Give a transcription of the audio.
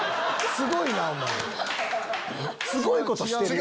すごいことしてるぞ。